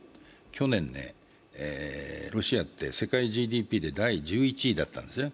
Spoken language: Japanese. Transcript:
去年、ロシアって世界ＧＤＰで第１１位だったんですね。